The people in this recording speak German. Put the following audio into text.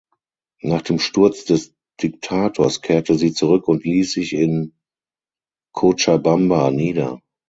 Nach dem Sturz des Diktators kehrte sie zurück und ließ sich in Cochabamba nieder.